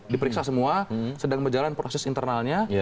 diperiksa semua sedang berjalan proses internalnya